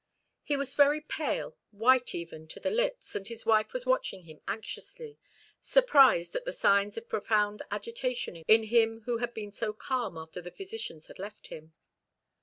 He was very pale white even to the lips, and his wife was watching him anxiously, surprised at the signs of profound agitation in him who had been so calm after the physicians had left him.